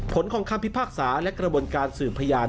ผลของคำพิพากษาและกระบวนการสืบพยาน